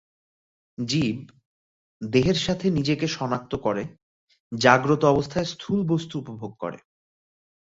জীব, দেহের সাথে নিজেকে সনাক্ত করে, জাগ্রত অবস্থায় স্থূল বস্তু উপভোগ করে।